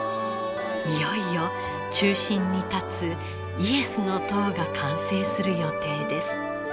いよいよ中心に立つイエスの塔が完成する予定です。